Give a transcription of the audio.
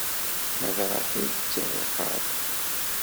Ma d Ṛaḥil, d tiɛiqert.